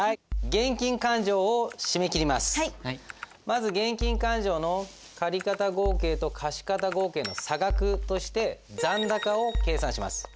まず現金勘定の借方合計と貸方合計の差額として残高を計算します。